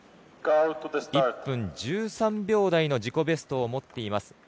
１分１３秒台の自己ベストを持っています。